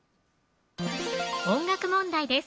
音楽問題です